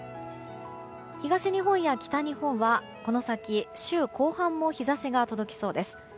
東日本や北日本はこの先週後半も日差しが届きそうです。